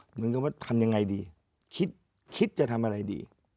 เหมือนกับว่าทำยังไงดีคิดจะทำอะไรดี